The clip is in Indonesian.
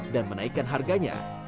dan menaikkan harganya